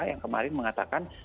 yang kemarin mengatakan